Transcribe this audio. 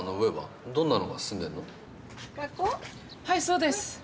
はいそうです。